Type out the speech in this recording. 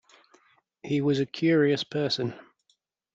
He was a curious person.